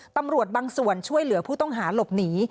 ตำรวจบางส่วนช่วยเหลือผู้ต้องหาหลบหนี